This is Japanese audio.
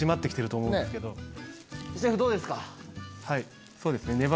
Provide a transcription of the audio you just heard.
はいそうですね。